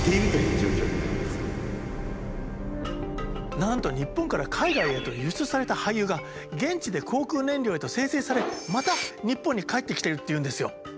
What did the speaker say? なんと日本から海外へと輸出された廃油が現地で航空燃料へと精製されまた日本に帰ってきてるっていうんですよ。